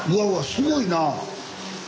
すごいな！